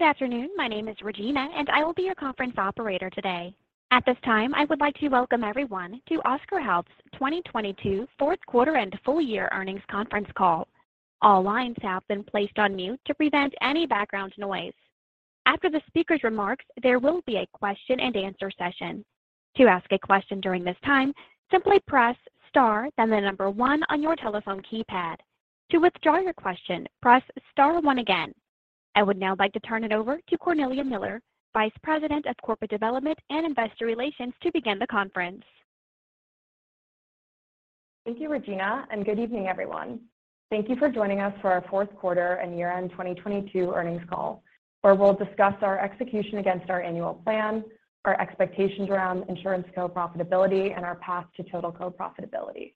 Good afternoon. My name is Regina, I will be your conference operator today. At this time, I would like to welcome everyone to Oscar Health's 2022 fourth quarter and full year earnings conference call. All lines have been placed on mute to prevent any background noise. After the speaker's remarks, there will be a question and answer session. To ask a question during this time, simply press star then the one on your telephone keypad. To withdraw your question, press star one again. I would now like to turn it over to Cornelia Miller, Vice President of Corporate Development and Investor Relations, to begin the conference. Thank you, Regina, good evening, everyone. Thank you for joining us for our fourth quarter and year-end 2022 earnings call, where we'll discuss our execution against our annual plan, our expectations around InsuranceCo profitability, and our path to total Co-profitability.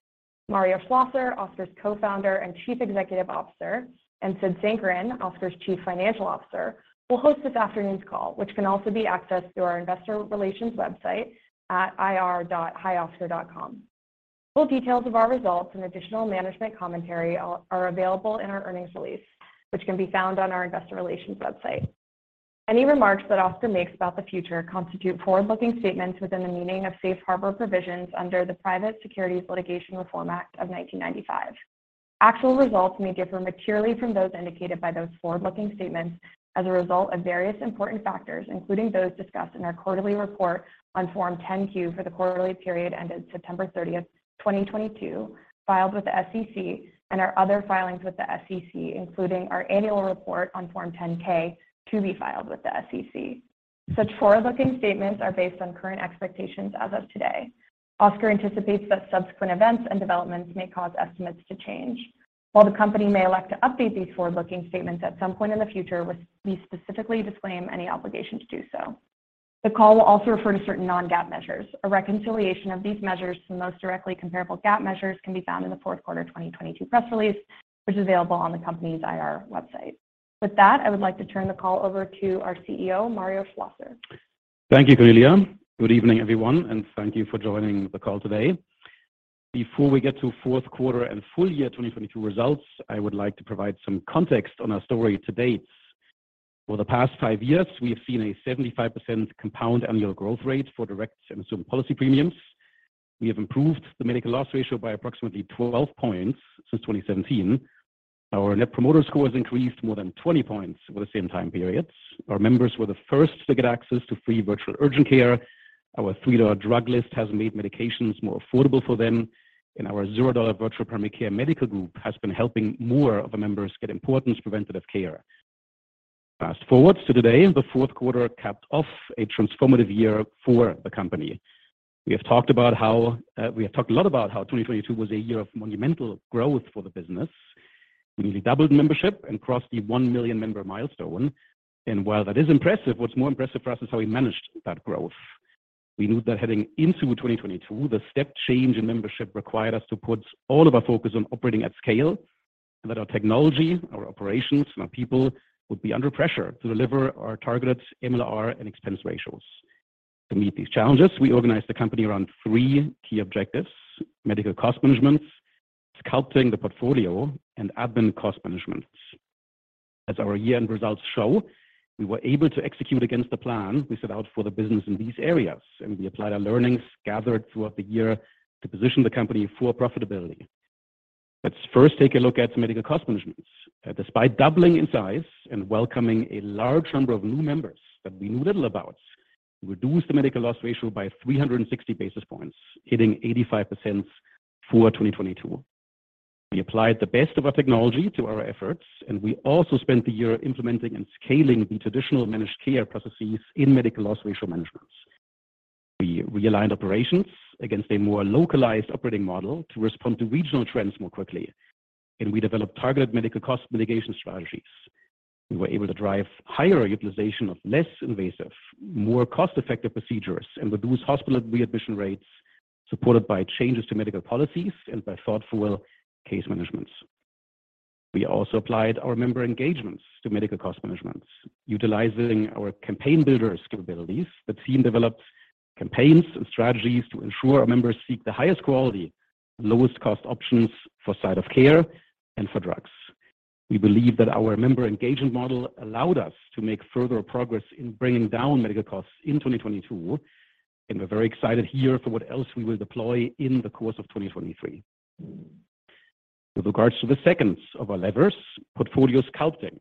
Mario Schlosser, Oscar's Co-Founder and Chief Executive Officer, and Sid Sankaran, Oscar's Chief Financial Officer, will host this afternoon's call, which can also be accessed through our investor relations website at ir.hioscar.com. Full details of our results and additional management commentary are available in our earnings release, which can be found on our investor relations website. Any remarks that Oscar makes about the future constitute forward-looking statements within the meaning of Safe Harbor Provisions under the Private Securities Litigation Reform Act of 1995. Actual results may differ materially from those indicated by those forward-looking statements as a result of various important factors, including those discussed in our quarterly report on Form 10-Q for the quarterly period ended September 30th, 2022, filed with the SEC and our other filings with the SEC, including our annual report on Form 10-K to be filed with the SEC. Such forward-looking statements are based on current expectations as of today. Oscar anticipates that subsequent events and developments may cause estimates to change. While the company may elect to update these forward-looking statements at some point in the future, we specifically disclaim any obligation to do so. The call will also refer to certain non-GAAP measures. A reconciliation of these measures to the most directly comparable GAAP measures can be found in the fourth quarter 2022 press release, which is available on the company's IR website. With that, I would like to turn the call over to our CEO, Mario Schlosser. Thank you, Cornelia. Good evening, everyone, and thank you for joining the call today. Before we get to fourth quarter and full year 2022 results, I would like to provide some context on our story to date. For the past five years, we have seen a 75% compound annual growth rate for Direct and Assumed Policy Premiums. We have improved the medical loss ratio by approximately 12 points since 2017. Our net promoter score has increased more than 20 points over the same time periods. Our members were the first to get access to free virtual urgent care. Our $3 drug list has made medications more affordable for them, and our $0 virtual primary care medical group has been helping more of our members get important preventative care. Fast-forward to today, the fourth quarter capped off a transformative year for the company. We have talked about how we have talked a lot about how 2022 was a year of monumental growth for the business. We nearly doubled membership and crossed the 1 million member milestone. While that is impressive, what's more impressive for us is how we managed that growth. We knew that heading into 2022, the step change in membership required us to put all of our focus on operating at scale and that our technology, our operations, and our people would be under pressure to deliver our targeted MLR and expense ratios. To meet these challenges, we organized the company around three key objectives: medical cost management, sculpting the portfolio, and admin cost management. As our year-end results show, we were able to execute against the plan we set out for the business in these areas, and we applied our learnings gathered throughout the year to position the company for profitability. Let's first take a look at medical cost management. Despite doubling in size and welcoming a large number of new members that we knew little about, we reduced the Medical Loss Ratio by 360 basis points, hitting 85% for 2022. We applied the best of our technology to our efforts, and we also spent the year implementing and scaling the traditional managed care processes in Medical Loss Ratio management. We realigned operations against a more localized operating model to respond to regional trends more quickly, and we developed targeted medical cost mitigation strategies. We were able to drive higher utilization of less invasive, more cost-effective procedures and reduce hospital readmission rates, supported by changes to medical policies and by thoughtful case management. We also applied our member engagements to medical cost management. Utilizing our Campaign Builder's capabilities, the team developed campaigns and strategies to ensure our members seek the highest quality, lowest cost options for site of care and for drugs. We believe that our member engagement model allowed us to make further progress in bringing down medical costs in 2022. We're very excited here for what else we will deploy in the course of 2023. With regards to the second of our levers, portfolio sculpting.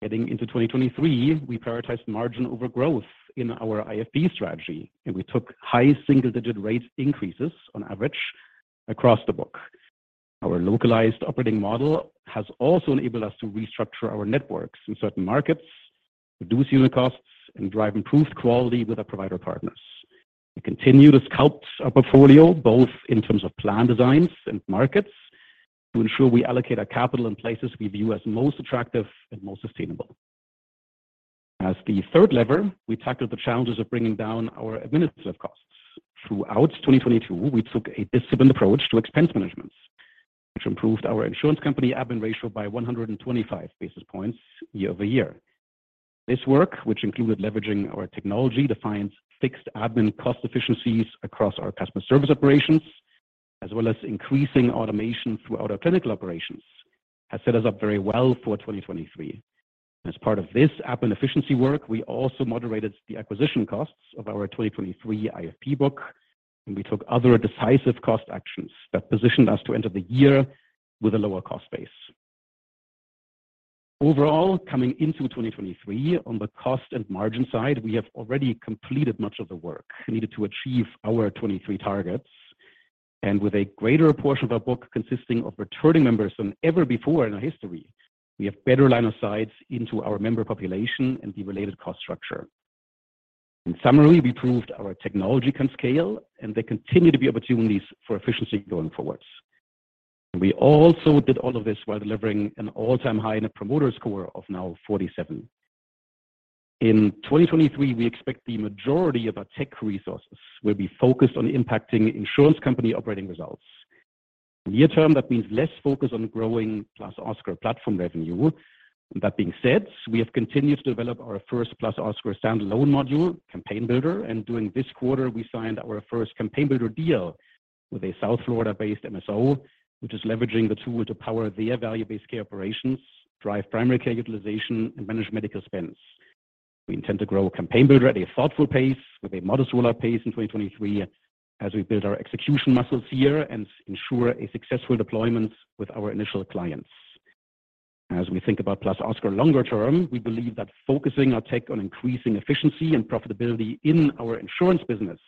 Heading into 2023, we prioritized margin over growth in our IFP strategy. We took high single-digit rate increases on average across the book. Our localized operating model has also enabled us to restructure our networks in certain markets, reduce unit costs, and drive improved quality with our provider partners. We continue to sculpt our portfolio, both in terms of plan designs and markets, to ensure we allocate our capital in places we view as most attractive and most sustainable. As the third lever, we tackled the challenges of bringing down our administrative costs. Throughout 2022, we took a disciplined approach to expense management, which improved our insurance company admin ratio by 125 basis points year-over-year. This work, which included leveraging our technology to find fixed admin cost efficiencies across our customer service operations as well as increasing automation throughout our clinical operations has set us up very well for 2023. As part of this app and efficiency work, we also moderated the acquisition costs of our 2023 IFP book, and we took other decisive cost actions that positioned us to enter the year with a lower cost base. Overall, coming into 2023, on the cost and margin side, we have already completed much of the work needed to achieve our 2023 targets. With a greater portion of our book consisting of returning members than ever before in our history, we have better line of sights into our member population and the related cost structure. In summary, we proved our technology can scale, and there continue to be opportunities for efficiency going forwards. We also did all of this while delivering an all-time high net promoter score of now 47. In 2023, we expect the majority of our tech resources will be focused on impacting insurance company operating results. Near term, that means less focus on growing +Oscar platform revenue. That being said, we have continued to develop our first +Oscar standalone module, Campaign Builder. During this quarter, we signed our first Campaign Builder deal with a South Florida-based MSO, which is leveraging the tool to power their value-based care operations, drive primary care utilization, and manage medical spends. We intend to grow Campaign Builder at a thoughtful pace with a modular pace in 2023 as we build our execution muscles here and ensure a successful deployment with our initial clients. As we think about +Oscar longer term, we believe that focusing our tech on increasing efficiency and profitability in our insurance business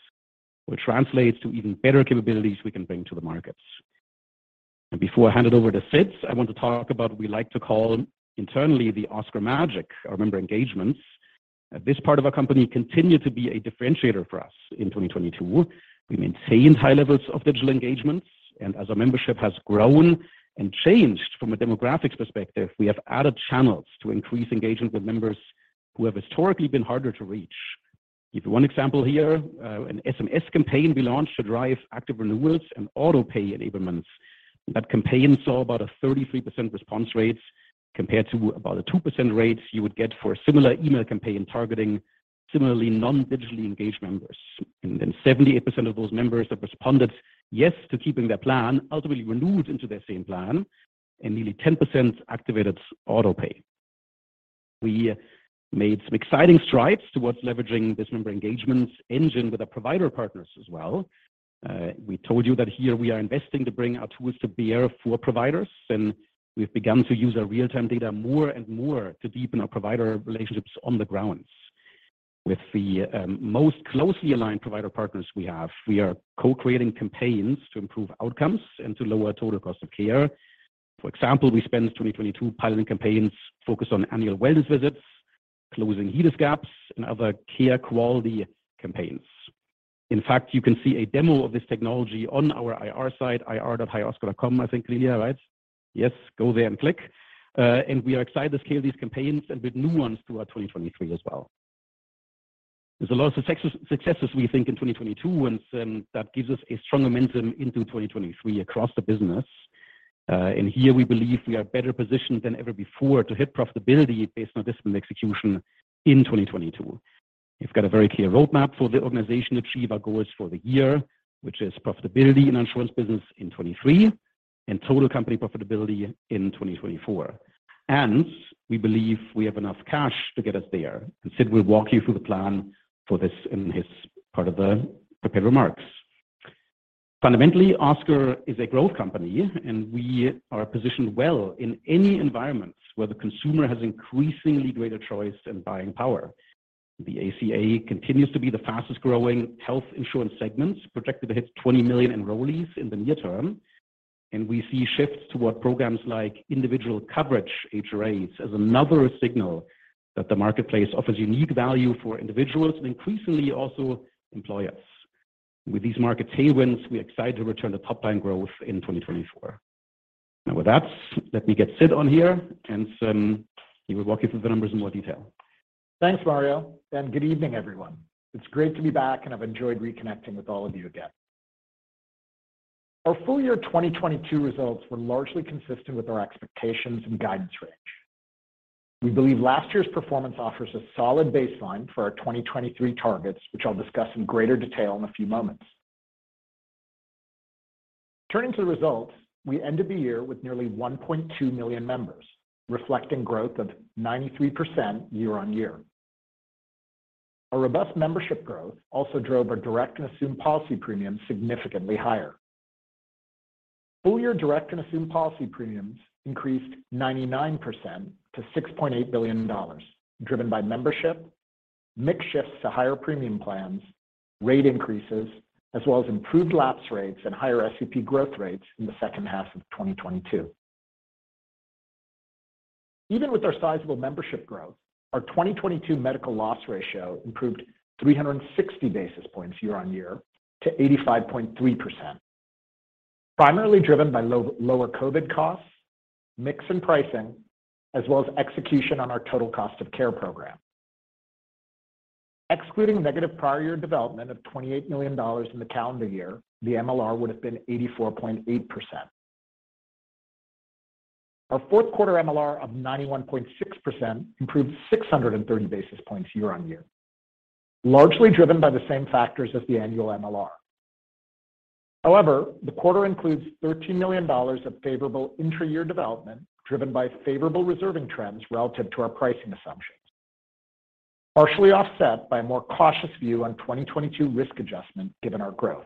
will translate to even better capabilities we can bring to the markets. Before I hand it over to Sid, I want to talk about we like to call internally the Oscar magic, our member engagements. This part of our company continued to be a differentiator for us in 2022. We maintained high levels of digital engagements. As our membership has grown and changed from a demographics perspective, we have added channels to increase engagement with members who have historically been harder to reach. Give you one example here, an SMS campaign we launched to drive active renewals and auto pay enablements. That campaign saw about a 33% response rate compared to about a 2% rate you would get for a similar email campaign targeting similarly non-digitally engaged members. 78% of those members that responded yes to keeping their plan ultimately renewed into that same plan, and nearly 10% activated auto pay. We made some exciting strides towards leveraging this member engagement engine with our provider partners as well. We told you that here we are investing to bring our tools to bear for providers, and we've begun to use our real-time data more and more to deepen our provider relationships on the grounds. With the most closely aligned provider partners we have, we are co-creating campaigns to improve outcomes and to lower total cost of care. For example, we spent 2022 piloting campaigns focused on annual wellness visits, closing HEDIS gaps, and other care quality campaigns. In fact, you can see a demo of this technology on our IR site, ir.hioscar.com, I think, Lilia, right? Yes, go there and click. We are excited to scale these campaigns and build new ones throughout 2023 as well. There's a lot of successes we think in 2022 that gives us a strong momentum into 2023 across the business. Here we believe we are better positioned than ever before to hit profitability based on disciplined execution in 2022. We've got a very clear roadmap for the organization to achieve our goals for the year, which is profitability in insurance business in 2023 and total company profitability in 2024. We believe we have enough cash to get us there. Sid will walk you through the plan for this in his part of the prepared remarks. Fundamentally, Oscar is a growth company, and we are positioned well in any environment where the consumer has increasingly greater choice and buying power. The ACA continues to be the fastest-growing health insurance segment, projected to hit 20 million enrollees in the near term. We see shifts toward programs like individual coverage, HRAs, as another signal that the marketplace offers unique value for individuals and increasingly also employers. With these market tailwinds, we're excited to return to top-line growth in 2024. Now, with that, let me get Sid on here, and he will walk you through the numbers in more detail. Thanks, Mario. Good evening, everyone. It's great to be back. I've enjoyed reconnecting with all of you again. Our full year 2022 results were largely consistent with our expectations and guidance range. We believe last year's performance offers a solid baseline for our 2023 targets, which I'll discuss in greater detail in a few moments. Turning to the results, we ended the year with nearly 1.2 million members, reflecting growth of 93% year-over-year. A robust membership growth also drove our Direct and Assumed Policy Premiums significantly higher. Full year Direct and Assumed Policy Premiums increased 99% to $6.8 billion, driven by membership, mix shifts to higher premium plans, rate increases, as well as improved lapse rates and higher SEP growth rates in the second half of 2022. Even with our sizable membership growth, our 2022 medical loss ratio improved 360 basis points year-on-year to 85.3%, primarily driven by lower COVID costs, mix in pricing, as well as execution on our total cost of care program. Excluding negative prior year development of $28 million in the calendar year, the MLR would have been 84.8%. Our fourth quarter MLR of 91.6% improved 630 basis points year-on-year, largely driven by the same factors as the annual MLR. The quarter includes $13 million of favorable intra-year development driven by favorable reserving trends relative to our pricing assumptions, partially offset by a more cautious view on 2022 risk adjustment given our growth.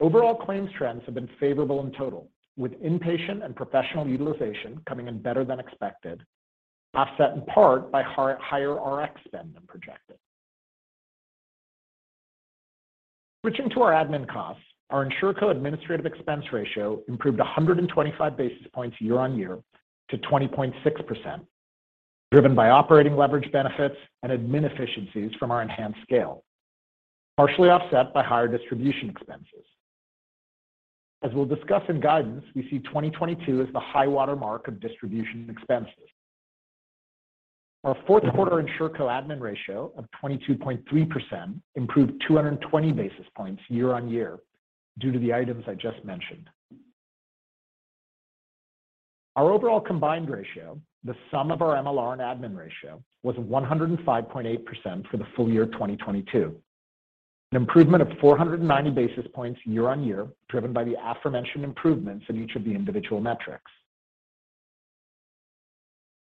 Overall claims trends have been favorable in total, with inpatient and professional utilization coming in better than expected, offset in part by higher RX spend than projected. Switching to our admin costs, our InsuranceCo administrative expense ratio improved 125 basis points year-on-year to 20.6%, driven by operating leverage benefits and admin efficiencies from our enhanced scale, partially offset by higher distribution expenses. As we'll discuss in guidance, we see 2022 as the high-water mark of distribution expenses. Our fourth quarter InsuranceCo admin ratio of 22.3% improved 220 basis points year-on-year due to the items I just mentioned. Our overall combined ratio, the sum of our MLR and admin ratio, was 105.8% for the full year of 2022, an improvement of 490 basis points year-on-year, driven by the aforementioned improvements in each of the individual metrics.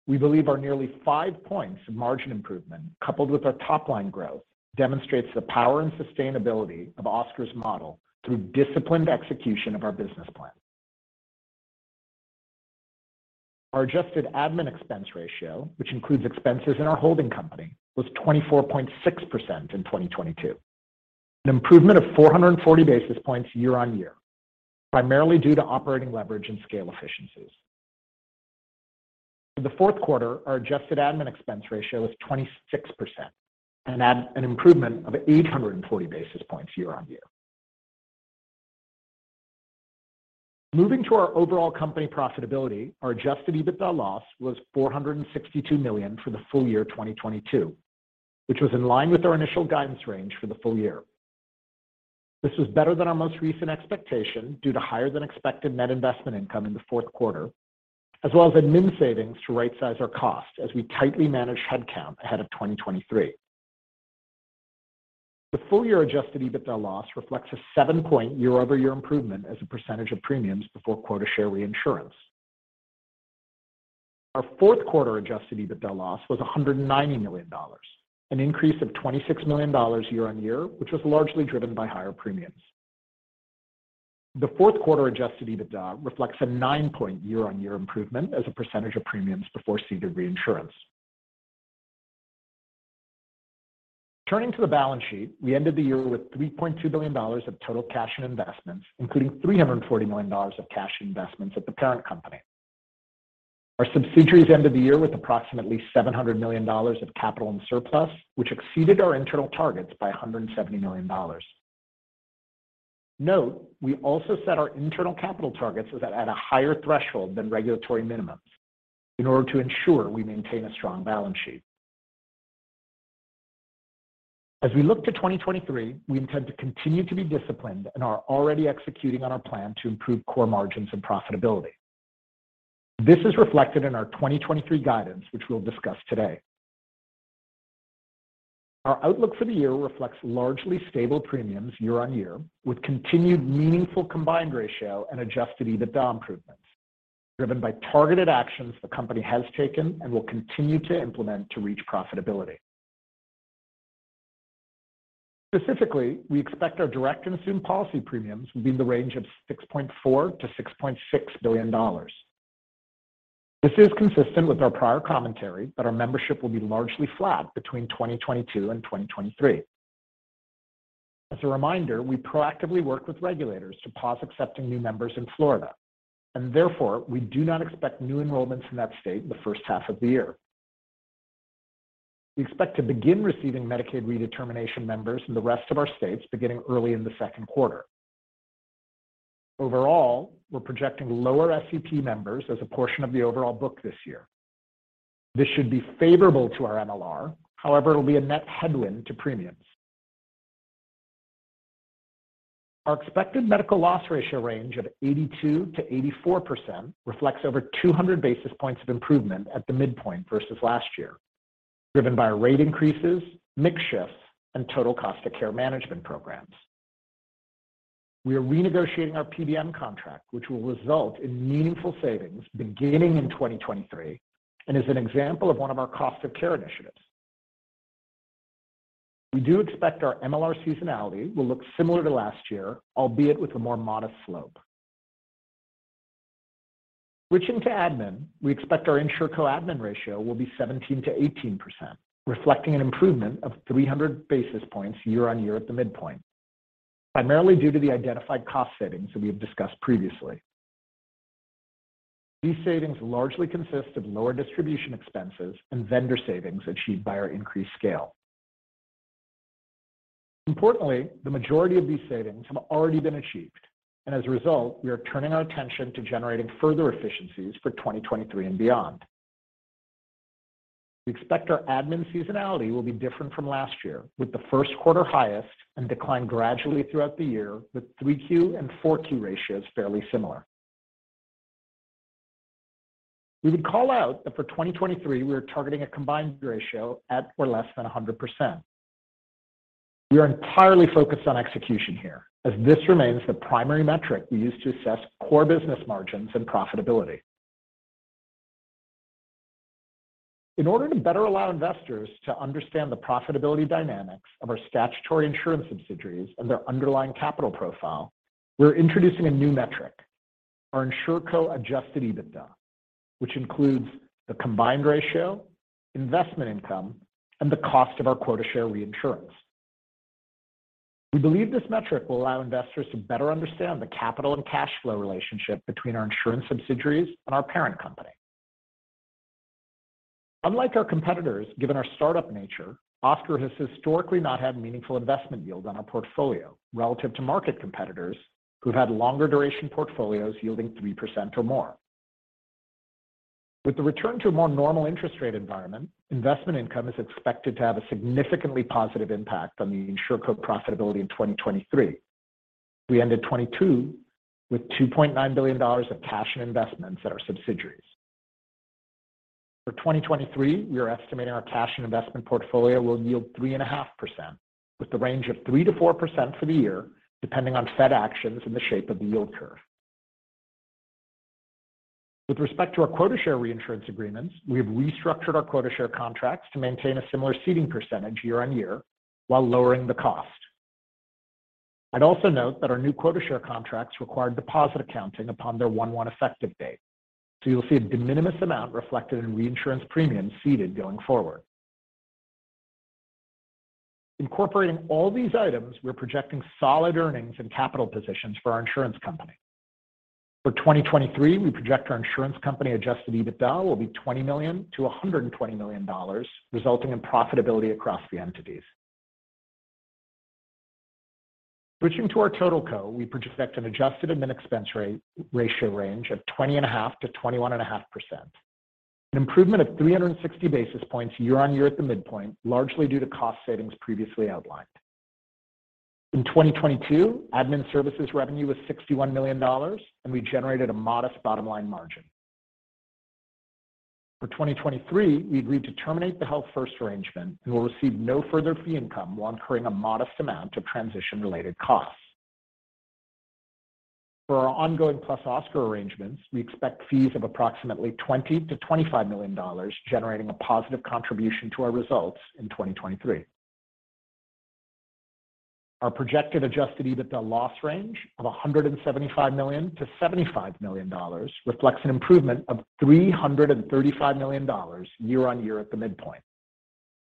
We believe our nearly five points of margin improvement, coupled with our top-line growth, demonstrates the power and sustainability of Oscar's model through disciplined execution of our business plan. Our Adjusted admin expense ratio, which includes expenses in our holding company, was 24.6% in 2022, an improvement of 440 basis points year-on-year, primarily due to operating leverage and scale efficiencies. For the fourth quarter, our Adjusted admin expense ratio was 26%, an improvement of 840 basis points year-on-year. Moving to our overall company profitability, our Adjusted EBITDA loss was $462 million for the full year of 2022, which was in line with our initial guidance range for the full year. This was better than our most recent expectation due to higher than expected net investment income in the fourth quarter, as well as admin savings to right-size our cost as we tightly manage head count ahead of 2023. The full year Adjusted EBITDA loss reflects a seven-point year-over-year improvement as a percentage of premiums before quota share reinsurance. Our fourth quarter Adjusted EBITDA loss was $190 million, an increase of $26 million year-on-year, which was largely driven by higher premiums. The fourth quarter Adjusted EBITDA reflects a nine-point year-on-year improvement as a percentage of premiums before ceded reinsurance. Turning to the balance sheet, we ended the year with $3.2 billion of total cash and investments, including $340 million of cash and investments at the parent company. Our subsidiaries ended the year with approximately $700 million of capital and surplus, which exceeded our internal targets by $170 million. Note, we also set our internal capital targets at a higher threshold than regulatory minimums in order to ensure we maintain a strong balance sheet. As we look to 2023, we intend to continue to be disciplined and are already executing on our plan to improve core margins and profitability. This is reflected in our 2023 guidance, which we'll discuss today. Our outlook for the year reflects largely stable premiums year-on-year, with continued meaningful combined ratio and Adjusted EBITDA improvements driven by targeted actions the company has taken and will continue to implement to reach profitability. Specifically, we expect our Direct and Assumed Policy Premiums will be in the range of $6.4 billion-$6.6 billion. This is consistent with our prior commentary that our membership will be largely flat between 2022 and 2023. As a reminder, we proactively worked with regulators to pause accepting new members in Florida, and therefore, we do not expect new enrollments in that state in the first half of the year. We expect to begin receiving Medicaid redetermination members in the rest of our states beginning early in the second quarter. Overall, we're projecting lower SEP members as a portion of the overall book this year. This should be favorable to our MLR. It will be a net headwind to premiums. Our expected medical loss ratio range of 82%-84% reflects over 200 basis points of improvement at the midpoint versus last year, driven by our rate increases, mix shifts, and total cost of care management programs. We are renegotiating our PBM contract, which will result in meaningful savings beginning in 2023 and is an example of one of our cost of care initiatives. We do expect our MLR seasonality will look similar to last year, albeit with a more modest slope. Switching to admin, we expect our InsurCo admin ratio will be 17%-18%, reflecting an improvement of 300 basis points year-over-year at the midpoint, primarily due to the identified cost savings that we have discussed previously. These savings largely consist of lower distribution expenses and vendor savings achieved by our increased scale. Importantly, the majority of these savings have already been achieved, and as a result, we are turning our attention to generating further efficiencies for 2023 and beyond. We expect our admin seasonality will be different from last year, with the first quarter highest and decline gradually throughout the year, with 3Q and 4Q ratios fairly similar. We would call out that for 2023 we are targeting a combined ratio at or less than 100%. We are entirely focused on execution here, as this remains the primary metric we use to assess core business margins and profitability. In order to better allow investors to understand the profitability dynamics of our statutory insurance subsidiaries and their underlying capital profile, we're introducing a new metric, our InsuranceCo Adjusted EBITDA, which includes the combined ratio, investment income, and the cost of our quota share reinsurance. We believe this metric will allow investors to better understand the capital and cash flow relationship between our insurance subsidiaries and our parent company. Unlike our competitors, given our startup nature, Oscar has historically not had meaningful investment yields on our portfolio relative to market competitors who had longer duration portfolios yielding 3% or more. With the return to a more normal interest rate environment, investment income is expected to have a significantly positive impact on the InsuranceCo profitability in 2023. We ended 2022 with $2.9 billion of cash and investments at our subsidiaries. For 2023, we are estimating our cash and investment portfolio will yield 3.5%, with the range of 3%-4% for the year, depending on Fed actions in the shape of the yield curve. With respect to our quota share reinsurance agreements, we have restructured our quota share contracts to maintain a similar ceding percentage year-on-year while lowering the cost. I'd also note that our new quota share contracts required deposit accounting upon their January 1 effective date, you'll see a de minimis amount reflected in reinsurance premiums ceded going forward. Incorporating all these items, we're projecting solid earnings and capital positions for our insurance company. For 2023, we project our insurance company Adjusted EBITDA will be $20 million-$120 million, resulting in profitability across the entities. Switching to our Total Co, we project an adjusted admin expense ratio range of 20.5%-21.5%. An improvement of 360 basis points year-over-year at the midpoint, largely due to cost savings previously outlined. In 2022, admin services revenue was $61 million, and we generated a modest bottom line margin. For 2023, we agreed to terminate the Health First arrangement and will receive no further fee income while incurring a modest amount of transition-related costs. For our ongoing +Oscar arrangements, we expect fees of approximately $20 million-$25 million, generating a positive contribution to our results in 2023. Our projected Adjusted EBITDA loss range of $175 million-$75 million reflects an improvement of $335 million year-on-year at the midpoint,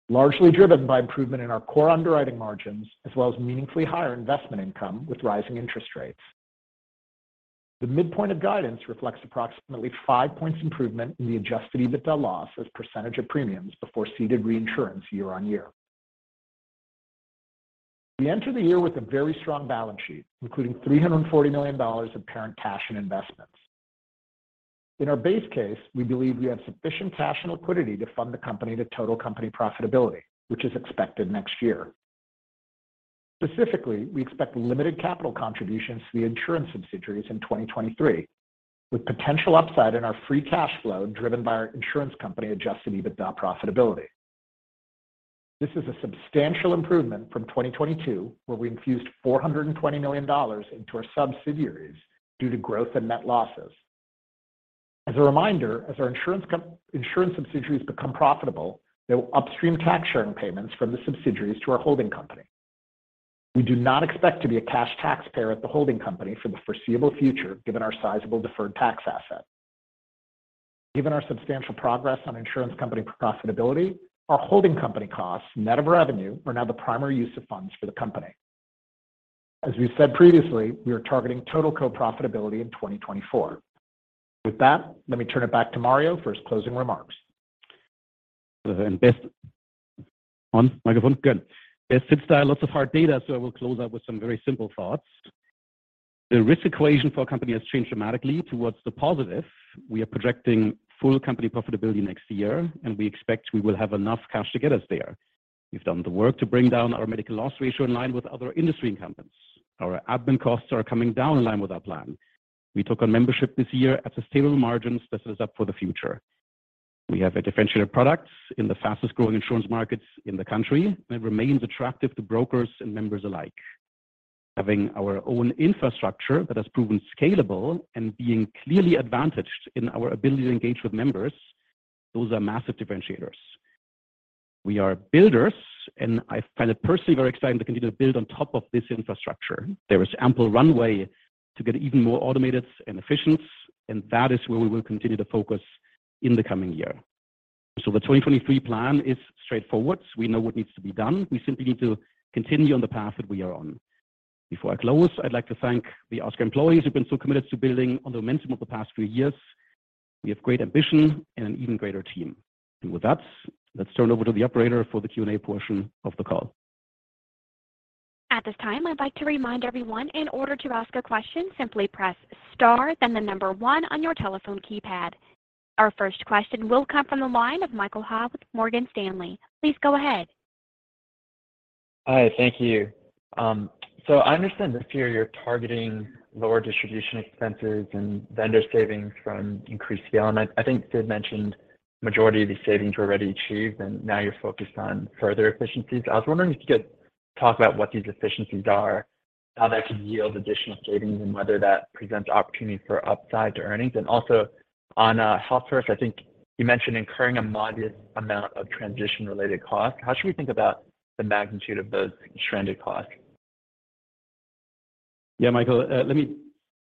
largely driven by improvement in our core underwriting margins, as well as meaningfully higher investment income with rising interest rates. The midpoint of guidance reflects approximately 5 points improvement in the Adjusted EBITDA loss as percentage of premiums before ceded reinsurance year-on-year. We enter the year with a very strong balance sheet, including $340 million of parent cash and investments. In our base case, we believe we have sufficient cash and liquidity to fund the company to total company profitability, which is expected next year. Specifically, we expect limited capital contributions to the insurance subsidiaries in 2023, with potential upside in our free cash flow driven by our InsuranceCo Adjusted EBITDA profitability. This is a substantial improvement from 2022, where we infused $420 million into our subsidiaries due to growth and net losses. As a reminder, as our insurance subsidiaries become profitable, there will upstream tax sharing payments from the subsidiaries to our holding company. We do not expect to be a cash taxpayer at the holding company for the foreseeable future, given our sizable deferred tax asset. Given our substantial progress on insurance company profitability, our holding company costs net of revenue are now the primary use of funds for the company. As we've said previously, we are targeting Total Co profitability in 2024. With that, let me turn it back to Mario for his closing remarks. On microphone. Good. There sits lots of hard data. I will close out with some very simple thoughts. The risk equation for our company has changed dramatically towards the positive. We are projecting full company profitability next year. We expect we will have enough cash to get us there. We've done the work to bring down our medical loss ratio in line with other industry incumbents. Our admin costs are coming down in line with our plan. We took on membership this year at sustainable margins that set us up for the future. We have a differentiated product in the fastest-growing insurance markets in the country. It remains attractive to brokers and members alike. Having our own infrastructure that has proven scalable and being clearly advantaged in our ability to engage with members, those are massive differentiators. We are builders. I find it personally very exciting to continue to build on top of this infrastructure. There is ample runway to get even more automated and efficient. That is where we will continue to focus in the coming year. The 2023 plan is straightforward. We know what needs to be done. We simply need to continue on the path that we are on. Before I close, I'd like to thank the Oscar employees who've been so committed to building on the momentum of the past few years. We have great ambition and an even greater team. With that, let's turn over to the operator for the Q&A portion of the call. At this time, I'd like to remind everyone, in order to ask a question, simply press star then the number one on your telephone keypad. Our first question will come from the line of Michael Ha with Morgan Stanley. Please go ahead. Hi, thank you. I understand this year you're targeting lower distribution expenses and vendor savings from increased scale. I think Sid mentioned majority of these savings were already achieved, and now you're focused on further efficiencies. I was wondering if you could talk about what these efficiencies are, how that could yield additional savings, and whether that presents opportunities for upside to earnings. Also on Health First, I think you mentioned incurring a modest amount of transition-related costs. How should we think about the magnitude of those stranded costs? Yeah, Michael, let me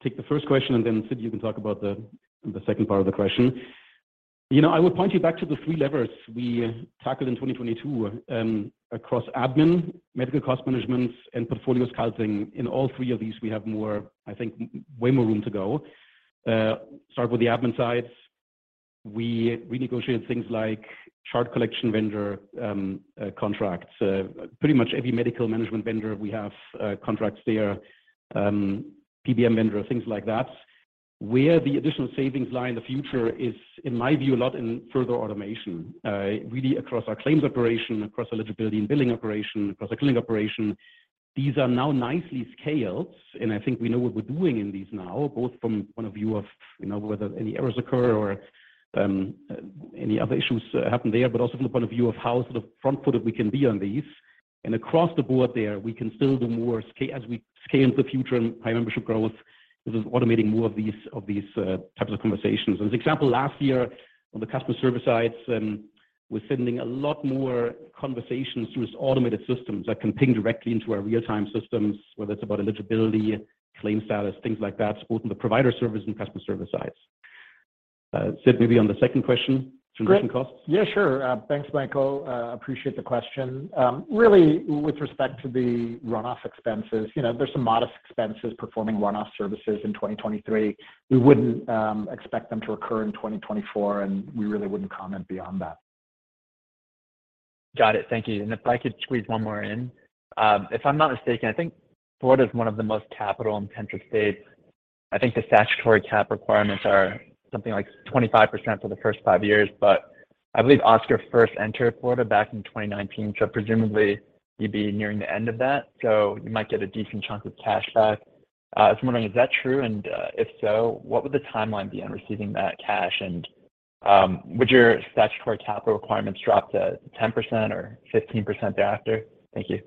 take the first question, and then Sid, you can talk about the second part of the question. You know, I would point you back to the three levers we tackled in 2022, across admin, medical cost management, and portfolio sculpting. In all three of these, we have more, I think, way more room to go. Start with the admin side. We negotiate things like chart collection vendor, contracts. Pretty much every medical management vendor, we have contracts there, PBM vendor, things like that. Where the additional savings lie in the future is, in my view, a lot in further automation, really across our claims operation, across eligibility and billing operation, across our clinic operation. These are now nicely scaled, and I think we know what we're doing in these now, both from point of view of, you know, whether any errors occur or, any other issues happen there, but also from the point of view of how sort of front-footed we can be on these. Across the board there, we can still do more as we scale in the future and high membership growth. This is automating more of these types of conversations. As example, last year on the customer service side, we're sending a lot more conversations through its automated systems that can ping directly into our real-time systems, whether it's about eligibility, claim status, things like that, both in the provider service and customer service sides. Sid, maybe on the second question, transition costs? Great. Yeah, sure. Thanks, Michael. Appreciate the question. Really with respect to the run-off expenses, you know, there's some modest expenses performing run-off services in 2023. We wouldn't expect them to recur in 2024. We really wouldn't comment beyond that. Got it. Thank you. If I could squeeze one more in. If I'm not mistaken, I think Florida is one of the most capital-intensive states. I think the statutory cap requirements are something like 25% for the first five years, but I believe Oscar first entered Florida back in 2019, so presumably you'd be nearing the end of that, so you might get a decent chunk of cash back. I was wondering, is that true, and, if so, what would the timeline be on receiving that cash, and, would your statutory capital requirements drop to 10% or 15% thereafter? Thank you.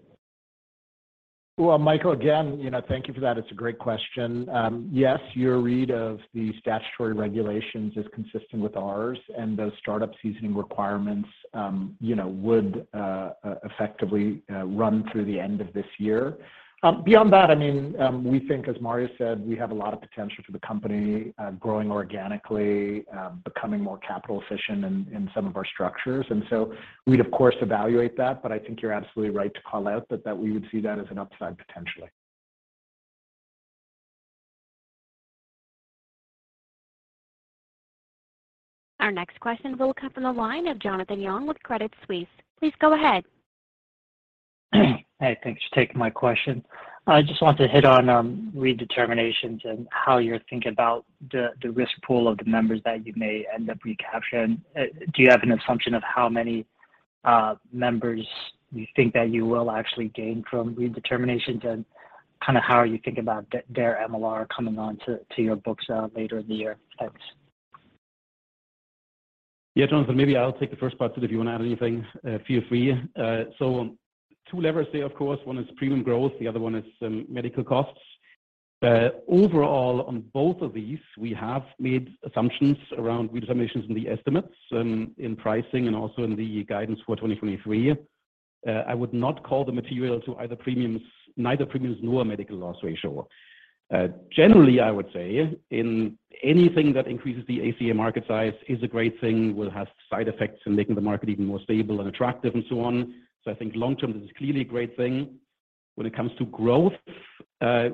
Well, Michael, again, you know, thank you for that. It's a great question. Yes, your read of the statutory regulations is consistent with ours, and those startup seasoning requirements, you know, would effectively run through the end of this year. Beyond that, I mean, we think, as Mario said, we have a lot of potential for the company, growing organically, becoming more capital efficient in some of our structures. We'd of course evaluate that, but I think you're absolutely right to call out that we would see that as an upside potentially. Our next question will come from the line of Jonathan Yong with Credit Suisse. Please go ahead. Hey, thanks for taking my question. I just want to hit on redeterminations and how you're thinking about the risk pool of the members that you may end up recapturing. Do you have an assumption of how many members you think that you will actually gain from redeterminations, and kind of how are you thinking about their MLR coming onto your books later in the year? Thanks. Yeah, Jonathan, maybe I'll take the first part. Sid, if you want to add anything, feel free. Two levers there, of course. One is premium growth, the other one is medical costs. Overall, on both of these, we have made assumptions around redeterminations in the estimates, in pricing and also in the guidance for 2023. I would not call the material to either premiums, neither premiums nor medical loss ratio. Generally, I would say in anything that increases the ACA market size is a great thing, will have side effects in making the market even more stable and attractive and so on. I think long term, this is clearly a great thing. When it comes to growth,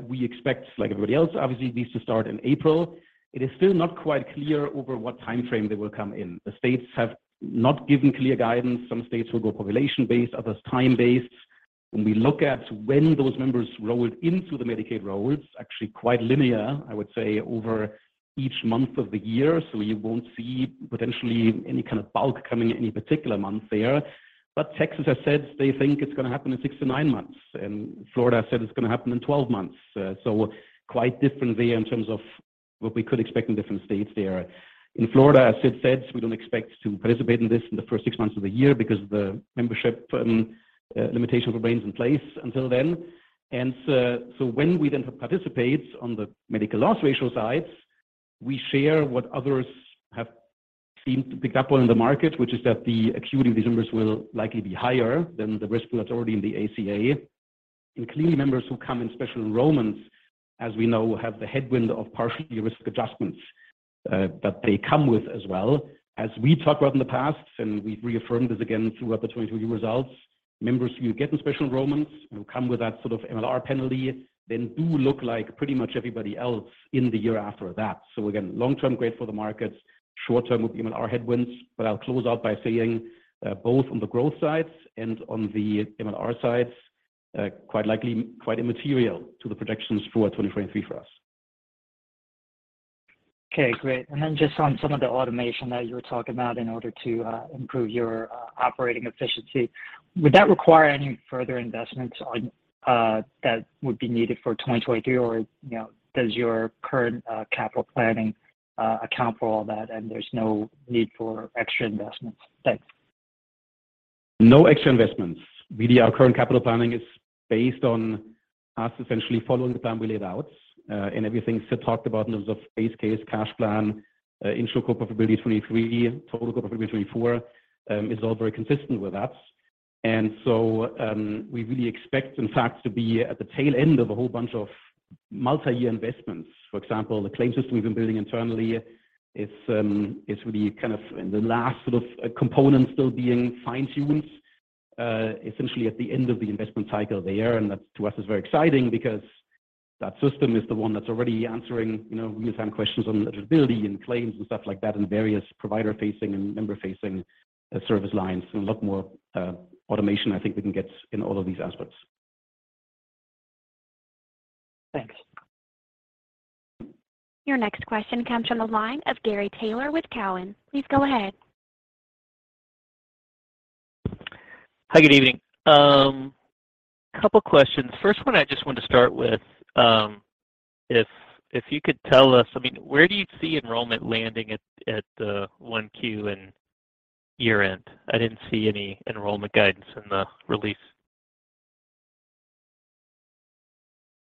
we expect, like everybody else, obviously, these to start in April. It is still not quite clear over what timeframe they will come in. The states have not given clear guidance. Some states will go population-based, others time-based. When we look at when those members roll into the Medicaid rolls, actually quite linear, I would say, over each month of the year. You won't see potentially any kind of bulk coming at any particular month there. Texas has said they think it's gonna happen in six-nine months, and Florida said it's gonna happen in 12 months. Quite different there in terms of what we could expect in different states there. In Florida, as Sid said, we don't expect to participate in this in the first six months of the year because the membership limitation remains in place until then. When we then participate on the medical loss ratio side, we share what others have seemed to pick up on in the market, which is that the acuity of these numbers will likely be higher than the risk that's already in the ACA. Clearly, members who come in special enrollments, as we know, have the headwind of partially risk adjustments that they come with as well. As we talked about in the past, and we've reaffirmed this again throughout the 2020 results, members who get in special enrollments, who come with that sort of MLR penalty, then do look like pretty much everybody else in the year after that. Again, long term, great for the markets. Short term, with the MLR headwinds. I'll close out by saying, both on the growth sides and on the MLR sides, quite likely quite immaterial to the projections for 2023 for us. Okay, great. Just on some of the automation that you were talking about in order to improve your operating efficiency, would that require any further investments on that would be needed for 2023 or, you know, does your current capital planning account for all that and there's no need for extra investments? Thanks. No extra investments. Really, our current capital planning is based on us essentially following the plan we laid out. Everything Sid talked about in terms of base case, cash plan, InsuranceCo profitability 2023, total profitability 2024, is all very consistent with that. We really expect in fact to be at the tail end of a whole bunch of multi-year investments. For example, the claim system we've been building internally is really kind of in the last sort of component still being fine-tuned, essentially at the end of the investment cycle there. That to us is very exciting because that system is the one that's already answering, you know, real-time questions on eligibility and claims and stuff like that, and various provider-facing and member-facing service lines. A lot more automation I think we can get in all of these aspects. Thanks. Your next question comes from the line of Gary Taylor with Cowen. Please go ahead. Hi, good evening. Couple questions. First one I just wanted to start with, if you could tell us, I mean, where do you see enrollment landing at 1Q and year-end? I didn't see any enrollment guidance in the release.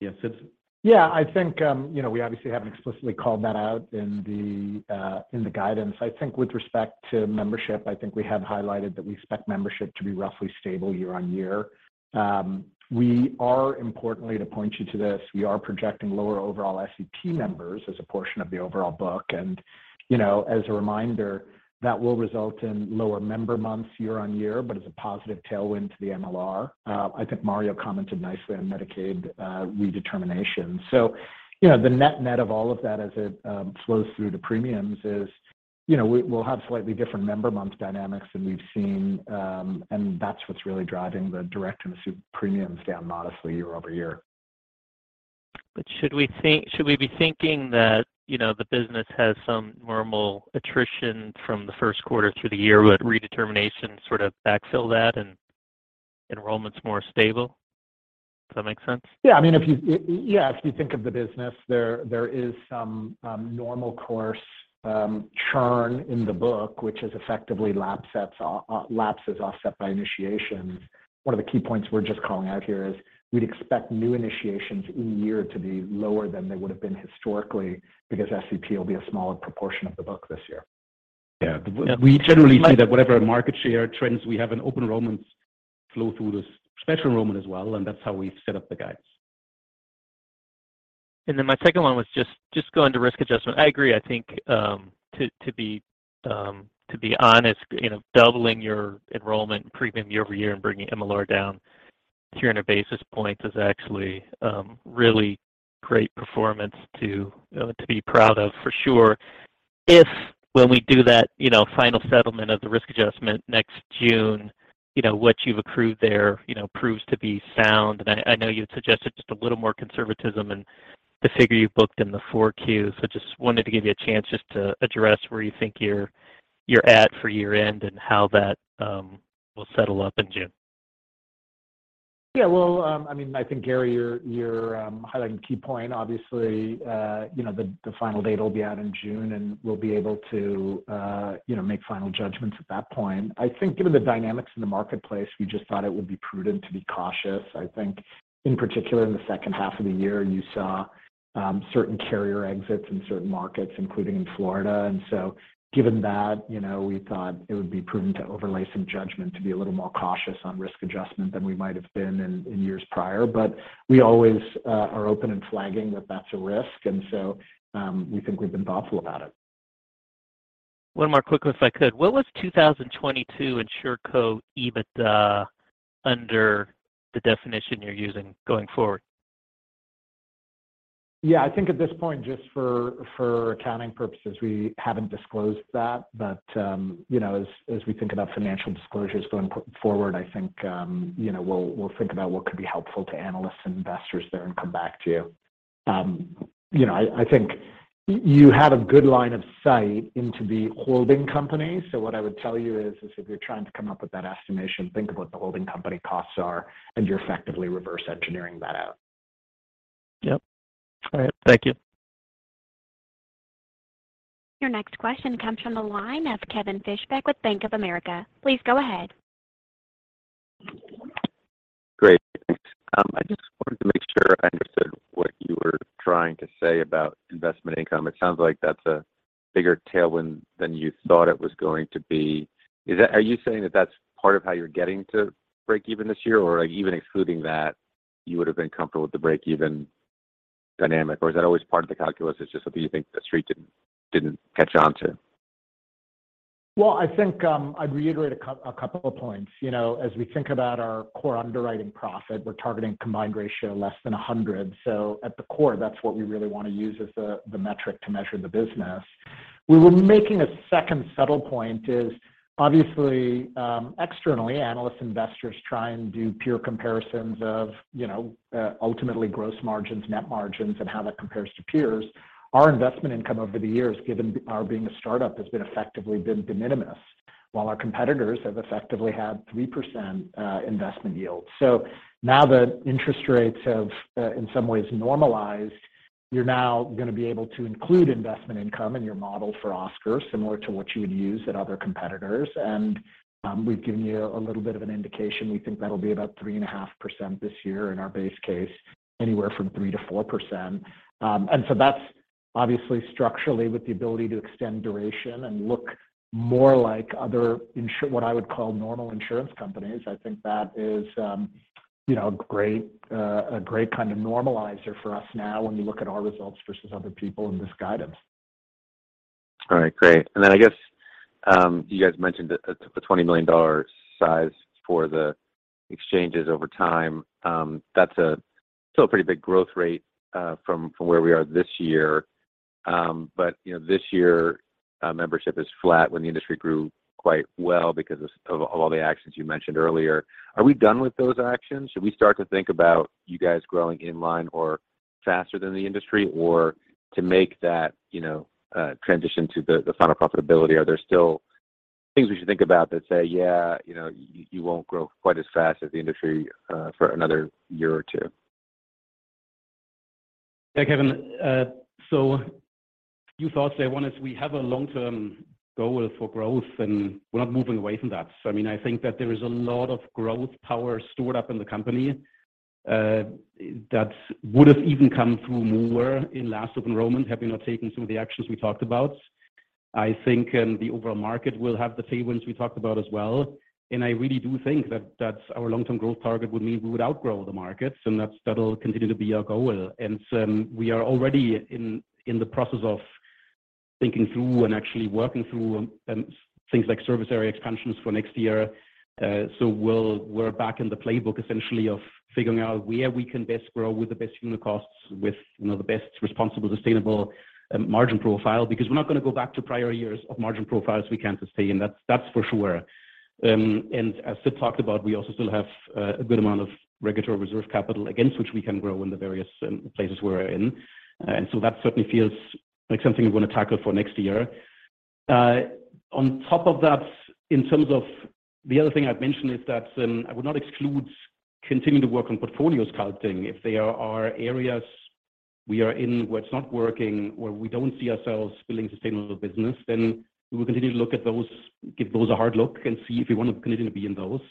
Yeah. Sid. Yeah. I think, you know, we obviously haven't explicitly called that out in the guidance. I think with respect to membership, I think we have highlighted that we expect membership to be roughly stable year-over-year. We are importantly to point you to this, we are projecting lower overall SEP members as a portion of the overall book. You know, as a reminder, that will result in lower member months year-over-year, but as a positive tailwind to the MLR. I think Mario commented nicely on Medicaid redetermination. You know, the net-net of all of that as it flows through to premiums is, you know, we'll have slightly different member months dynamics than we've seen, and that's what's really driving the Direct and Assumed Policy Premiums down modestly year-over-year. Should we be thinking that, you know, the business has some normal attrition from the first quarter through the year, would redetermination sort of backfill that and enrollment's more stable? Does that make sense? Yeah. I mean, if you think of the business there is some normal course churn in the book, which is effectively lapses offset by initiations. One of the key points we're just calling out here is we'd expect new initiations in year to be lower than they would've been historically because SEP will be a smaller proportion of the book this year. Yeah. We generally see that whatever market share trends, we have an open enrollments flow through this special enrollment as well. That's how we set up the guides. My second one was just going to risk adjustment. I agree. I think, to be honest, you know, doubling your enrollment and premium year over year and bringing MLR down 300 basis points is actually really great performance to be proud of for sure. If when we do that, you know, final settlement of the risk adjustment next June, you know, what you've accrued there, you know, proves to be sound, and I know you had suggested just a little more conservatism in the figure you've booked in the 4Qs. Just wanted to give you a chance just to address where you think you're at for year-end and how that will settle up in June. Yeah. Well, I mean, I think, Gary, you're highlighting a key point. Obviously, you know, the final date will be out in June, and we'll be able to, you know, make final judgments at that point. I think given the dynamics in the marketplace, we just thought it would be prudent to be cautious. I think in particular in the second half of the year, you saw certain carrier exits in certain markets, including in Florida. Given that, you know, we thought it would be prudent to overlay some judgment to be a little more cautious on risk adjustment than we might have been in years prior. We always are open in flagging that that's a risk. We think we've been thoughtful about it. One more quick one if I could. What was 2022 InsuranceCo EBIT, under the definition you're using going forward? Yeah. I think at this point, just for accounting purposes, we haven't disclosed that. You know, as we think about financial disclosures going forward, I think, you know, we'll think about what could be helpful to analysts and investors there and come back to you. You know, I think you have a good line of sight into the holding company. What I would tell you is if you're trying to come up with that estimation, think of what the holding company costs are, and you're effectively reverse engineering that out. Yep. All right. Thank you. Your next question comes from the line of Kevin Fischbeck with Bank of America. Please go ahead. Great. Thanks. I just wanted to make sure I understood what you were trying to say about investment income. It sounds like that's a bigger tailwind than you thought it was going to be. Are you saying that that's part of how you're getting to breakeven this year? Or like even excluding that, you would've been comfortable with the breakeven dynamic? Or is that always part of the calculus? It's just something you think the Street didn't catch on to? I think I'd reiterate two points. You know, as we think about our core underwriting profit, we're targeting combined ratio less than 100. At the core, that's what we really want to use as the metric to measure the business. We were making a second subtle point is obviously, externally, analyst investors try and do pure comparisons of, you know, ultimately gross margins, net margins, and how that compares to peers. Our investment income over the years, given our being a startup, has been effectively been de minimis, while our competitors have effectively had 3% investment yield. Now that interest rates have in some ways normalized, you're now gonna be able to include investment income in your model for Oscar, similar to what you would use at other competitors. We've given you a little bit of an indication. We think that'll be about 3.5% this year in our base case, anywhere from 3%-4%. So that's obviously structurally with the ability to extend duration and look more like other what I would call normal insurance companies. I think that is, you know, great, a great kind of normalizer for us now when you look at our results versus other people in this guidance. All right. Great. I guess, you guys mentioned the $20 million size for the exchanges over time. That's a still pretty big growth rate, from where we are this year. You know, this year, membership is flat when the industry grew quite well because of all the actions you mentioned earlier. Are we done with those actions? Should we start to think about you guys growing in line or faster than the industry? To make that, you know, transition to the final profitability, are there still things we should think about that say, yeah, you know, you won't grow quite as fast as the industry, for another year or two? Yeah, Kevin, a few thoughts there. One is we have a long-term goal for growth, and we're not moving away from that. I mean, I think that there is a lot of growth power stored up in the company, that would have even come through more in last of enrollment had we not taken some of the actions we talked about. I think, the overall market will have the tailwinds we talked about as well. I really do think that that's our long-term growth target would mean we would outgrow the markets, that'll continue to be our goal. We are already in the process of thinking through and actually working through, things like service area expansions for next year. We're back in the playbook essentially of figuring out where we can best grow with the best unit costs, with, you know, the best responsible, sustainable, margin profile. Because we're not gonna go back to prior years of margin profiles we can sustain. That's for sure. As Sid talked about, we also still have a good amount of regulatory reserve capital against which we can grow in the various places we're in. That certainly feels like something we wanna tackle for next year. On top of that, in terms of the other thing I'd mention is that I would not exclude continuing to work on portfolio sculpting. If there are areas we are in where it's not working, where we don't see ourselves building sustainable business, then we will continue to look at those, give those a hard look, and see if we want to continue to be in those.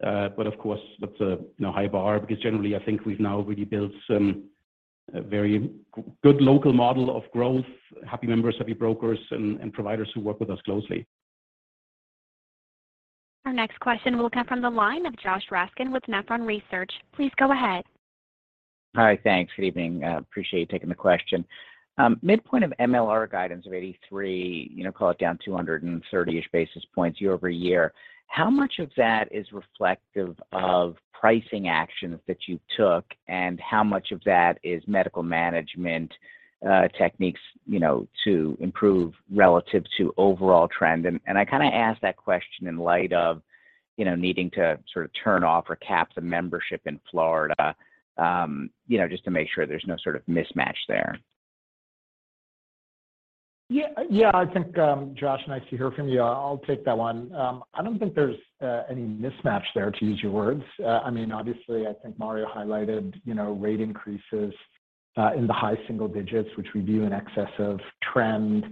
Of course, that's a, you know, high bar because generally, I think we've now really built some very good local model of growth, happy members, happy brokers, and providers who work with us closely. Our next question will come from the line of Josh Raskin with Nephron Research. Please go ahead. Hi. Thanks. Good evening. Appreciate you taking the question. Midpoint of MLR guidance of 83%, you know, call it down 230-ish basis points year-over-year, how much of that is reflective of pricing actions that you took, and how much of that is medical management, techniques, you know, to improve relative to overall trend? I kind of ask that question in light of, you know, needing to sort of turn off or cap the membership in Florida, you know, just to make sure there's no sort of mismatch there. Yeah. Yeah. I think, Josh, nice to hear from you. I'll take that one. I don't think there's any mismatch there, to use your words. I mean, obviously, I think Mario highlighted, you know, rate increases in the high single digits, which we view in excess of trend.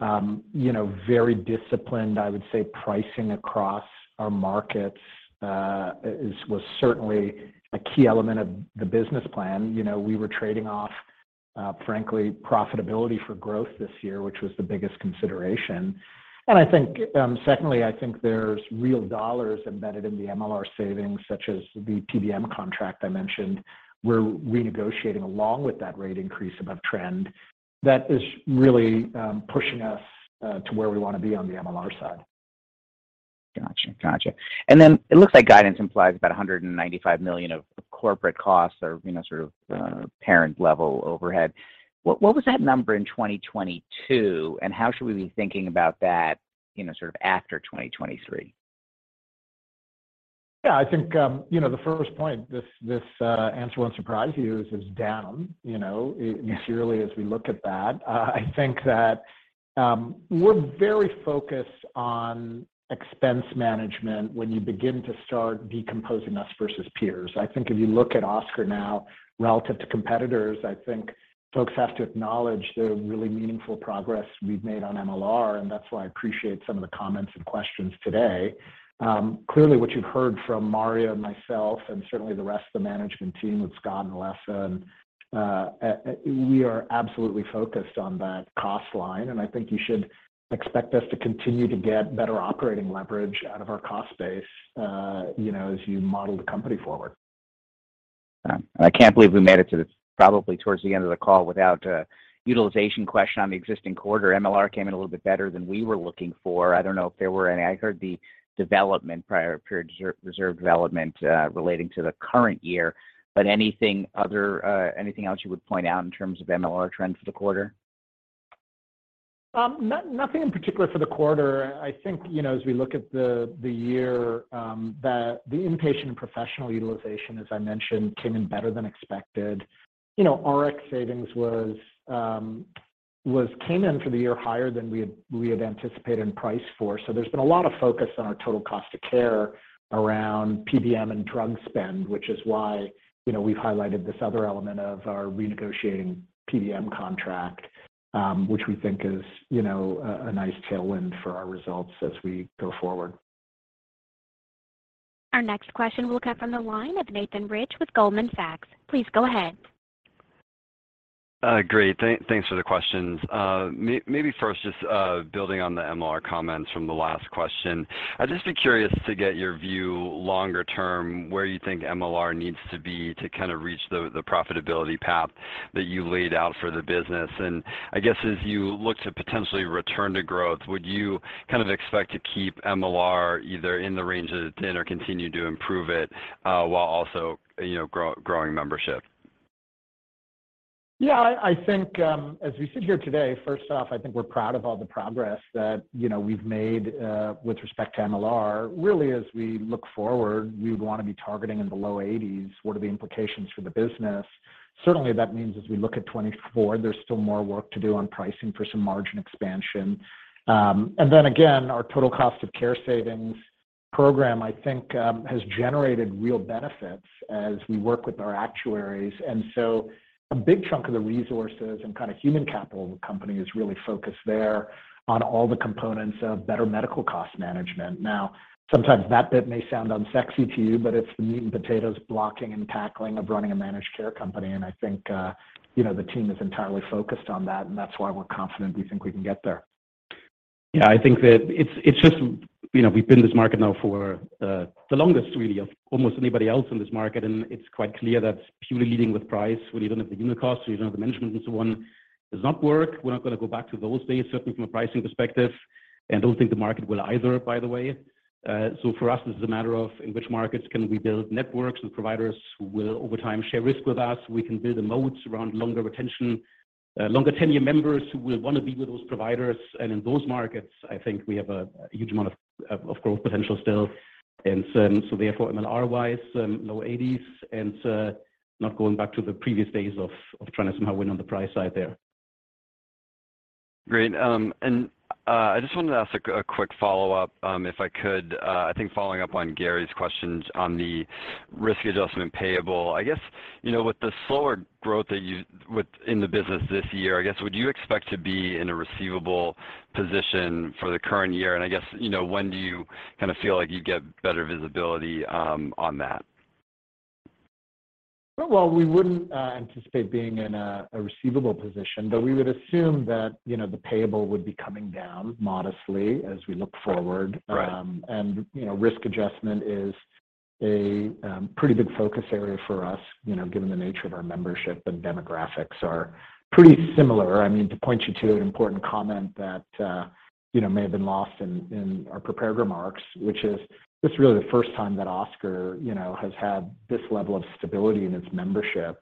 You know, very disciplined, I would say, pricing across our markets, was certainly a key element of the business plan. You know, we were trading off, frankly, profitability for growth this year, which was the biggest consideration. Secondly, I think there's real dollars embedded in the MLR savings, such as the PBM contract I mentioned. We're renegotiating along with that rate increase above trend that is really pushing us to where we wanna be on the MLR side. Gotcha. Gotcha. Then it looks like guidance implies about $195 million of corporate costs or, you know, sort of parent level overhead. What was that number in 2022, and how should we be thinking about that, you know, sort of after 2023? I think, you know, the first point, this answer won't surprise you, is down, you know, materially as we look at that. I think that we're very focused on expense management when you begin to start decomposing us versus peers. I think if you look at Oscar now relative to competitors, I think folks have to acknowledge the really meaningful progress we've made on MLR, and that's why I appreciate some of the comments and questions today. Clearly, what you've heard from Mario and myself and certainly the rest of the management team with Scott and Alessa, we are absolutely focused on that cost line, and I think you should expect us to continue to get better operating leverage out of our cost base, you know, as you model the company forward. Yeah. I can't believe we made it to this, probably towards the end of the call without a utilization question on the existing quarter. MLR came in a little bit better than we were looking for. I don't know if there were any. I heard the development prior, period reserve development, relating to the current year. Anything other, anything else you would point out in terms of MLR trends for the quarter? No-nothing in particular for the quarter. I think, you know, as we look at the year, that the inpatient professional utilization, as I mentioned, came in better than expected. You know, RX savings came in for the year higher than we had, we had anticipated and priced for. There's been a lot of focus on our total cost of care around PBM and drug spend, which is why, you know, we've highlighted this other element of our renegotiating PBM contract, which we think is, you know, a nice tailwind for our results as we go forward. Our next question will come from the line of Nathan Rich with Goldman Sachs. Please go ahead. Great. Thanks for the questions. Maybe first, just building on the MLR comments from the last question, I'd just be curious to get your view longer term, where you think MLR needs to be to kind of reach the profitability path that you laid out for the business? I guess as you look to potentially return to growth, would you kind of expect to keep MLR either in the range that it's in or continue to improve it, while also, you know, growing membership? Yeah. I think, as we sit here today, first off, I think we're proud of all the progress that, you know, we've made, with respect to MLR. As we look forward, we would wanna be targeting in the low eighties. What are the implications for the business? Certainly, that means as we look at 2024, there's still more work to do on pricing for some margin expansion. Our total cost of care savings program, I think, has generated real benefits as we work with our actuaries. A big chunk of the resources and kind of human capital of the company is really focused there on all the components of better medical cost management. Sometimes that bit may sound unsexy to you, but it's the meat and potatoes blocking and tackling of running a managed care company. I think, you know, the team is entirely focused on that, and that's why we're confident we think we can get there. Yeah. I think that it's just, you know, we've been in this market now for the longest really of almost anybody else in this market. It's quite clear that purely leading with price when you don't have the unit cost, so you don't have the management and so on, does not work. We're not gonna go back to those days, certainly from a pricing perspective, and don't think the market will either, by the way. For us, this is a matter of in which markets can we build networks and providers who will over time share risk with us. We can build a moat around longer retention, longer tenure members who will wanna be with those providers. In those markets, I think we have a huge amount of growth potential still. Therefore, MLR-wise, low 80s and not going back to the previous days of trying to somehow win on the price side there. Great. I just wanted to ask a quick follow-up if I could. I think following up on Gary's questions on the risk adjustment payable. I guess, you know, with the slower growth that in the business this year, I guess, would you expect to be in a receivable position for the current year? I guess, you know, when do you kinda feel like you get better visibility on that? We wouldn't anticipate being in a receivable position, but we would assume that, you know, the payable would be coming down modestly as we look forward. Right. You know, risk adjustment is a pretty big focus area for us, you know, given the nature of our membership and demographics are pretty similar. I mean, to point you to an important comment that, you know, may have been lost in our prepared remarks, which is this is really the first time that Oscar, you know, has had this level of stability in its membership.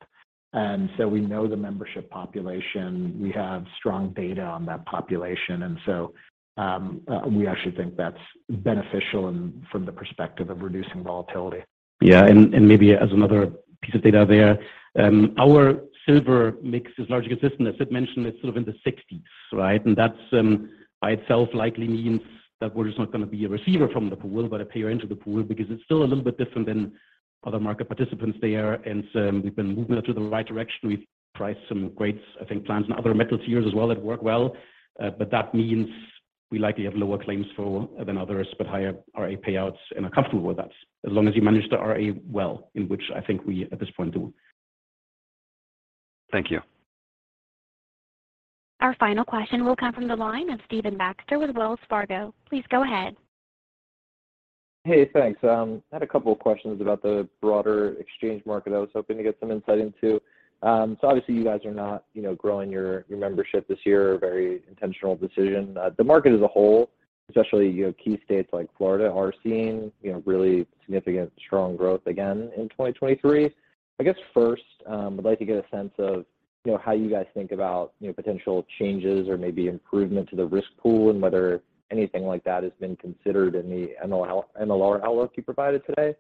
We know the membership population. We have strong data on that population, and so, we actually think that's beneficial from the perspective of reducing volatility. Yeah. And maybe as another piece of data there, our silver mix is largely consistent. As Sid mentioned, it's sort of in the 60s, right? That's by itself likely means that we're just not gonna be a receiver from the pool, but a payer into the pool because it's still a little bit different than other market participants there. We've been moving it to the right direction. We've priced some great, I think, plans in other metal tiers as well that work well. That means we likely have lower claims flow than others, but higher RA payouts and are comfortable with that, as long as you manage the RA well, in which I think we at this point do. Thank you. Our final question will come from the line of Stephen Baxter with Wells Fargo. Please go ahead. Hey, thanks. I had a couple of questions about the broader exchange market I was hoping to get some insight into. Obviously you guys are not, you know, growing your membership this year, a very intentional decision. The market as a whole, especially, you know, key states like Florida are seeing, you know, really significant strong growth again in 2023. I guess first, I'd like to get a sense of, you know, how you guys think about, you know, potential changes or maybe improvement to the risk pool, and whether anything like that has been considered in the MLR outlook you provided today.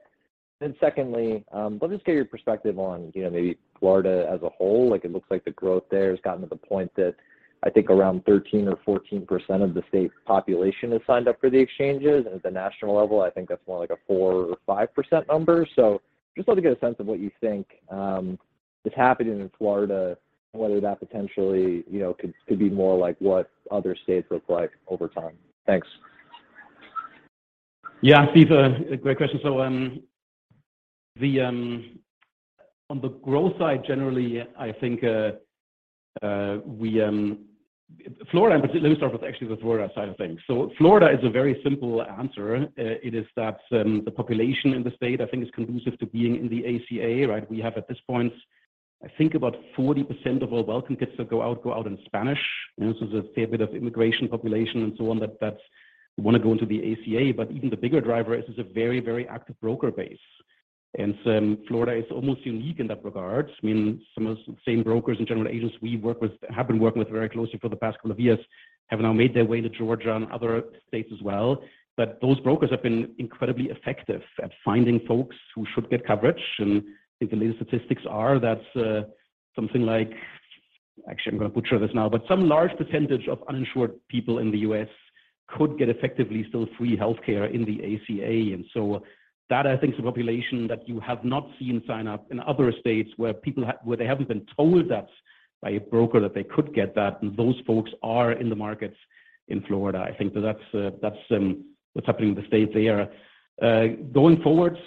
Secondly, let's just get your perspective on, you know, maybe Florida as a whole. Like, it looks like the growth there has gotten to the point that I think around 13% or 14% of the state's population has signed up for the exchanges. At the national level, I think that's more like a 4% or 5% number. Just like to get a sense of what you think is happening in Florida, and whether that potentially, you know, could be more like what other states look like over time. Thanks. Yeah. Steve, a great question. The on the growth side, generally, I think, we... Let me start with actually the Florida side of things. Florida is a very simple answer. It is that the population in the state, I think, is conducive to being in the ACA, right? We have at this point, I think about 40% of our welcome kits that go out, go out in Spanish. You know, it's a fair bit of immigration population and so on that wanna go into the ACA. Even the bigger driver is it's a very, very active broker base. Florida is almost unique in that regard. I mean, some of the same brokers and general agents we have been working with very closely for the past couple of years have now made their way to Georgia and other states as well. Those brokers have been incredibly effective at finding folks who should get coverage. I think the latest statistics are that's something like... Actually, I'm going to butcher this now, but some large percentage of uninsured people in the US could get effectively still free healthcare in the ACA. That I think is a population that you have not seen sign up in other states where they haven't been told that by a broker that they could get that, and those folks are in the markets in Florida. I think that that's what's happening in the state there. Going forwards,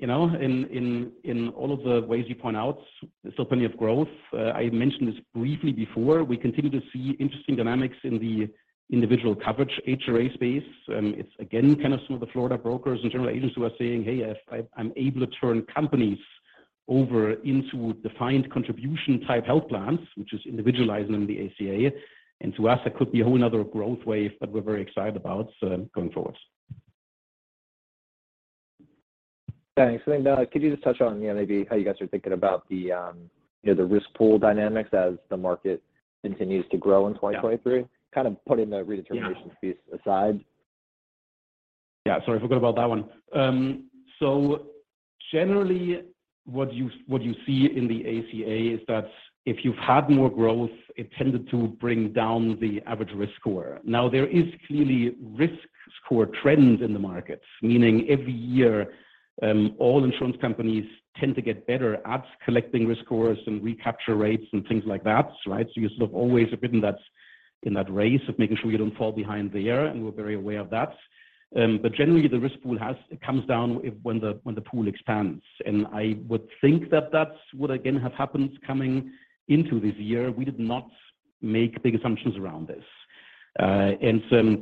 you know, in all of the ways you point out, there's still plenty of growth. I mentioned this briefly before. We continue to see interesting dynamics in the individual coverage HRA space. It's again kind of some of the Florida brokers and general agents who are saying, "Hey, I'm able to turn companies over into defined contribution type health plans," which is individualizing them, the ACA. To us that could be a whole another growth wave that we're very excited about, going forward. Thanks. Could you just touch on, you know, maybe how you guys are thinking about the, you know, the risk pool dynamics as the market continues to grow in 2023? Yeah. Kind of putting the redeterminations piece aside. Yeah, sorry, forgot about that one. Generally what you, what you see in the ACA is that if you've had more growth, it tended to bring down the average risk score. There is clearly risk score trends in the markets, meaning every year, all insurance companies tend to get better at collecting risk scores and recapture rates and things like that, right? You sort of always have been that's, in that race of making sure you don't fall behind there, and we're very aware of that. Generally the risk pool has comes down if when the, when the pool expands. I would think that that's what again, has happened coming into this year. We did not make big assumptions around this.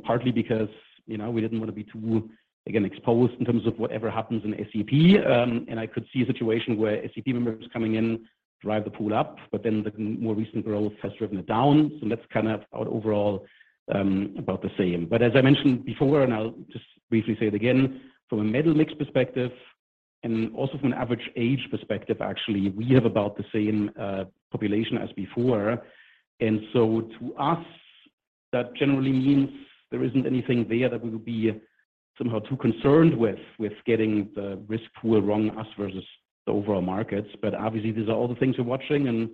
Partly because, you know, we didn't wanna be too, again, exposed in terms of whatever happens in SEP. I could see a situation where SEP members coming in drive the pool up, but then the more recent growth has driven it down. That's kind of our overall about the same. As I mentioned before, and I'll just briefly say it again, from a metal mix perspective and also from an average age perspective actually, we have about the same population as before. To us, that generally means there isn't anything there that we would be somehow too concerned with getting the risk pool wrong, us versus the overall markets. Obviously, these are all the things we're watching, and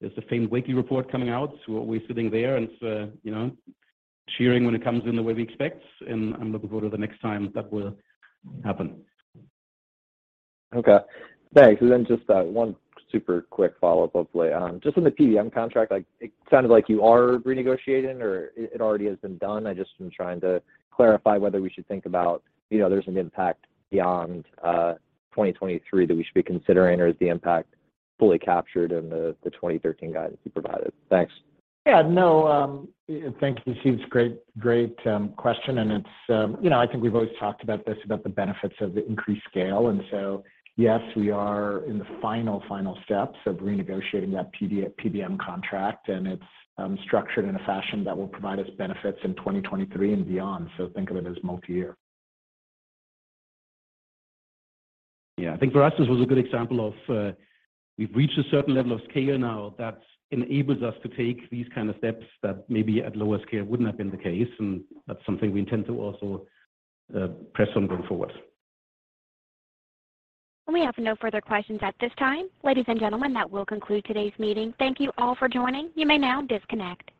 there's the famed weekly report coming out, so we're always sitting there and, you know, cheering when it comes in the way we expect. I'm looking forward to the next time that will happen. Okay, thanks. Just, one super quick follow-up, hopefully. Just on the PBM contract, like it sounded like you are renegotiating or it already has been done. I just am trying to clarify whether we should think about, you know, there's an impact beyond 2023 that we should be considering, or is the impact fully captured in the 2023 guidance you provided? Thanks. Yeah, no, thank you, Steve. It's a great question, and it's, you know, I think we've always talked about this, about the benefits of the increased scale. Yes, we are in the final steps of renegotiating that PBM contract, and it's structured in a fashion that will provide us benefits in 2023 and beyond. Think of it as multi-year. Yeah. I think for us this was a good example of, we've reached a certain level of scale now that enables us to take these kind of steps that maybe at lower scale wouldn't have been the case. That's something we intend to also press on going forward. We have no further questions at this time. Ladies and gentlemen, that will conclude today's meeting. Thank you all for joining. You may now disconnect.